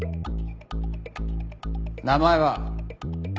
名前は？